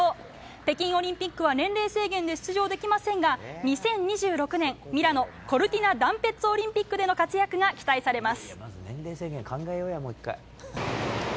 北京オリンピックは年齢制限で出場できませんが２０２６年ミラノ・コルティナダンペッツォオリンピックでの活躍が期待されます。